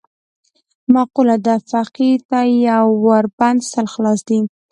معقوله ده: فقیر ته یو ور بند، سل خلاص دي.